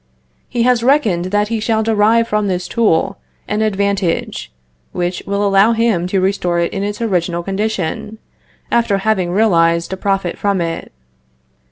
He has reckoned that he shall derive from this tool an advantage, which will allow him to restore it in its original condition, after having realized a profit from it.